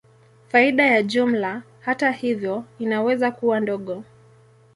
Faida ya jumla, hata hivyo, inaweza kuwa ndogo.